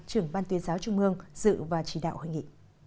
trưởng ban tuyên giáo trung mương dự và chỉ đạo hội nghị